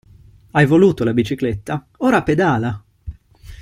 Hai voluto la bicicletta? Ora pedala!